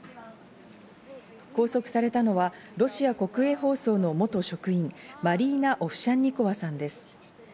拘束されたのはロシア国営放送の元職員、マリーナ・オフシャンニコワさんです。